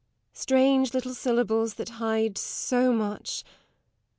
Strange little syllables that hide so much!